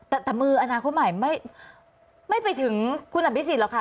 แต่มืออนาคตใหม่ไม่ไปถึงคุณอภิษฎหรอกค่ะ